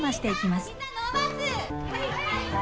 はい！